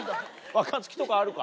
若槻とかあるか？